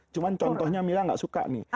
cuma contohnya mila gak suka nih